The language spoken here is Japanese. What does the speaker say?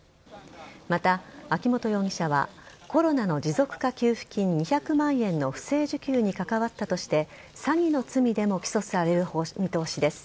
また、秋本容疑者はコロナの持続化給付金２００万円の不正受給に関わったとして詐欺の罪でも起訴される見通しです。